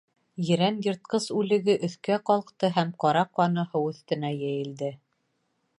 Ерән йыртҡыс үлеге өҫкә ҡалҡты һәм ҡара ҡаны һыу өҫтөнә йәйелде.